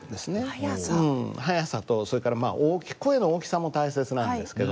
うんはやさとそれから声の大きさも大切なんですけど。